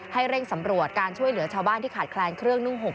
เร่งสำรวจการช่วยเหลือชาวบ้านที่ขาดแคลนเครื่องนุ่งห่ม